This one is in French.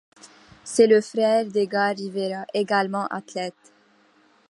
C'est le frère d'Edgar Rivera, également athlète.